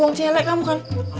uang celek kamu kan